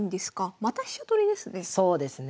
また飛車取りですね。